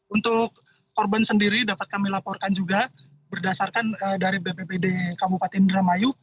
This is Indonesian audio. untuk korban sendiri dapat kami laporkan juga berdasarkan dari bppd kabupaten indramayu